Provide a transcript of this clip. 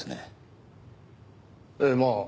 ええまあ